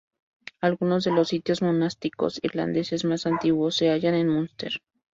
Algunos de los sitios monásticos irlandeses más antiguos se hallan en Munster.